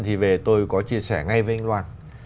thì về tôi có chia sẻ ngay với anh loan